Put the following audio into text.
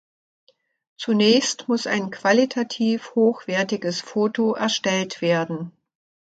Zunächst muss ein qualitativ hochwertiges Foto erstellt werden.